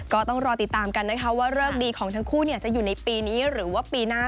ก็ต้องรอติดตามกันนะคะว่าเลิกดีของทั้งคู่จะอยู่ในปีนี้หรือว่าปีหน้า